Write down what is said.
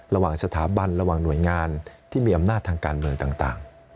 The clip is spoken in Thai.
ระหว่างสถาบันระหว่างหน่วยงานที่มีอำนาจทางการเมืองต่าง